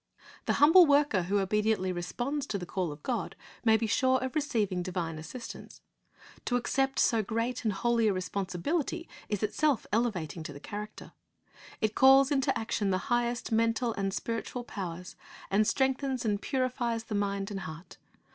The humble worker who obediently responds to the call of God may be sure of receiving divine assistance. To accept so great and holy a responsibility is itself elevating to the character. It calls into action the highest mental and spiritual powers, and strengthens and purifies the mind and heart.